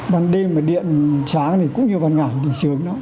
bằng đêm mà điện sáng thì cũng như bằng ngày thì sướng đó